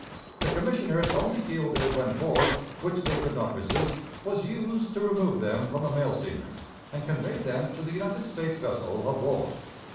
The Commissioners only yielded when force, which they could not resist, was used to remove them from the mail steamer, and convey them to the United States vessel of war.